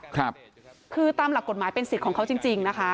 คือตามหลักกฎหมายเป็นสิทธิ์ของเขาจริงนะคะ